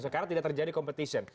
karena tidak terjadi competition